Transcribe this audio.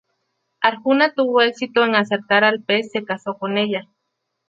Arjuna tuvo exito en acertar al pez se casó con ella.